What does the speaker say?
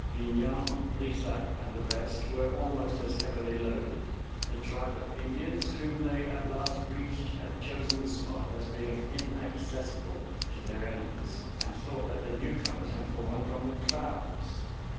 Vignan, Brissac, and the rest were almost as heavily loaded. The tribe of Indians whom they at last reached had chosen the spot as being inaccessible to their enemies; and thought that the newcomers had fallen from the clouds.